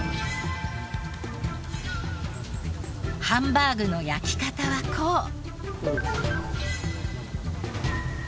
ハンバーグの焼き方はこう。